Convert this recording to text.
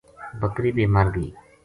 بکری بے مر گئی